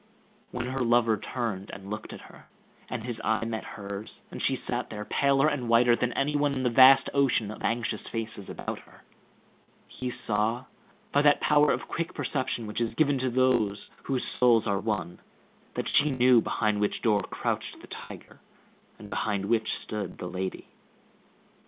When her lover turned and looked at her, and his eye met hers as she sat there, paler and whiter than any one in the vast ocean of anxious faces about her, he saw, by that power of quick perception which is given to those whose souls are one, that she knew behind which door crouched the tiger, and behind which stood the lady.